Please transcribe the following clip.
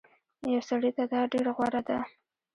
يو سړي ته دا ډير غوره ده